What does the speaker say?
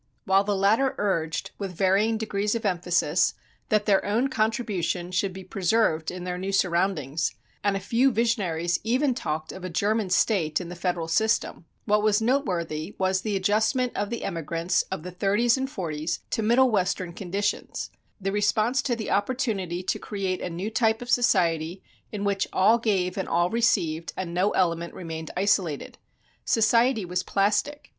While the latter urged, with varying degrees of emphasis, that their own contribution should be preserved in their new surroundings, and a few visionaries even talked of a German State in the federal system, what was noteworthy was the adjustment of the emigrants of the thirties and forties to Middle Western conditions; the response to the opportunity to create a new type of society in which all gave and all received and no element remained isolated. Society was plastic.